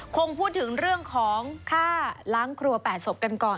คงพูดถึงเรื่องของฆ่าล้างครัว๘ศพกันก่อน